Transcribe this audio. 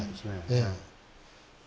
ええ。